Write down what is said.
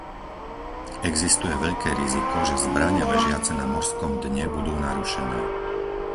Existuje veľké riziko, že zbrane ležiace na morskom dne budú narušené.